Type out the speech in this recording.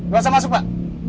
luasnya masuk pak